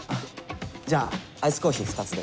じゃあアイスコーヒー２つで。